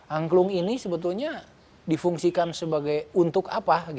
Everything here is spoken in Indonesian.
angklung ini sebetulnya difungsikan sebagai untuk apa